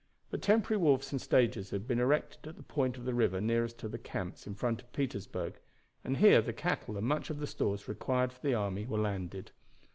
But temporary wharfs and stages had been erected at the point of the river nearest to their camps in front of Petersburg, and here the cattle and much of the stores required for the army were landed.